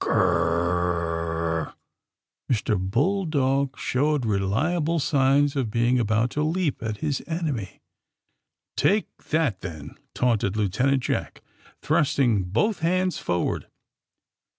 *'Gr r r r!" Mr. Bull dog showed reliable signs of being about to leap at his enemy. '^Take that, then!'^ taunted Lieutenant Jack, thrusting both hands forward.